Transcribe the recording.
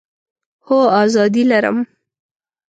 هو، آزادي لرم